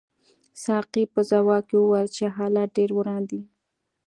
ساقي په ځواب کې وویل چې حالات ډېر وران دي.